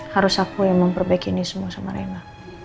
harus aku yang memperbaiki ini semua sama rena